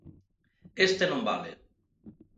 Este non vale.